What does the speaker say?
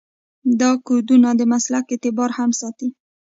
دا کودونه د مسلک اعتبار هم ساتي.